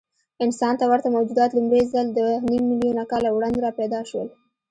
انسان ته ورته موجودات لومړی ځل دوهنیممیلیونه کاله وړاندې راپیدا شول.